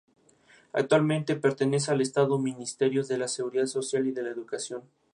Actualmente pertenece al Estado, Ministerios de la Seguridad Social y de la Educación.